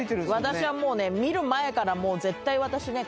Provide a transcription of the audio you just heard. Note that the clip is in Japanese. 私はもうね見る前からもう絶対私ね